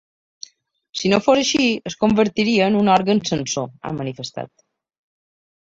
Si no fos així, es convertiria en un òrgan censor, ha manifestat.